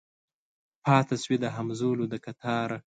پاته شوي د همزولو د کتاره